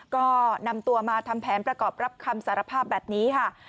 ก็นำตัวมาทำแผนประกอบรับคำสารภาพแบบนี้ค่ะ